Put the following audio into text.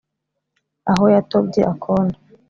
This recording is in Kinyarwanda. aho yatobye akondo